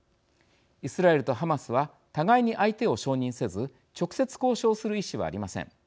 イスラエルとハマスは互いに相手を承認せず直接交渉する意思はありません。